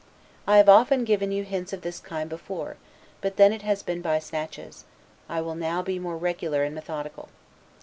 I have often given you hints of this kind before, but then it has been by snatches; I will now be more regular and methodical.